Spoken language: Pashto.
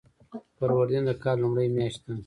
فروردین د کال لومړۍ میاشت ده.